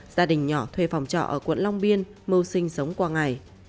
gia đình nhỏ thuê phòng trọ ở quận long biên mâu sinh sống qua ngày